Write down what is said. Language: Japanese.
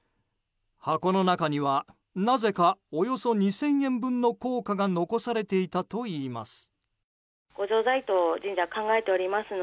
箱の中には、なぜかおよそ２０００円分の硬貨が残されていたといいます。